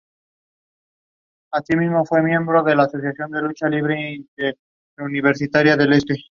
Mientras tanto, los efectivos en tierra formaron un cerco y abrieron fuego.